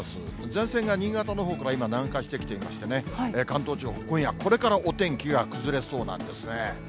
前線が新潟のほうから今、南下してきていましてね、関東地方、今夜これからお天気が崩れそうなんですね。